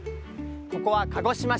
ここは鹿児島市。